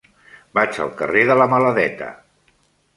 Vaig al carrer de la Maladeta.